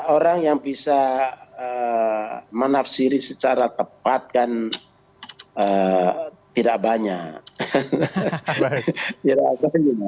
orang yang bisa menafsiri secara tepat kan tidak banyak